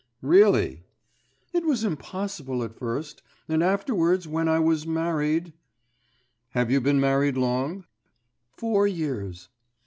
'Really?' 'It was impossible at first; and afterwards when I was married .' 'Have you been married long?' 'Four years.